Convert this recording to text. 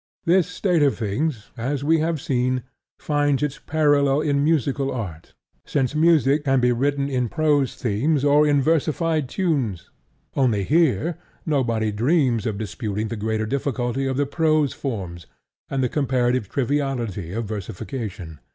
This state of things, as we have seen, finds its parallel in musical art, since music can be written in prose themes or in versified tunes; only here nobody dreams of disputing the greater difficulty of the prose forms, and the comparative triviality of versification.